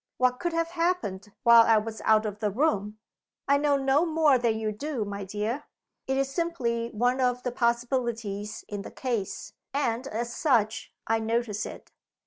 "What could have happened while I was out of the room?" "I know no more than you do, my dear. It is simply one of the possibilities in the case, and, as such, I notice it.